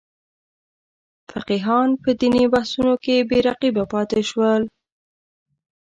فقیهان په دیني بحثونو کې بې رقیبه پاتې شول.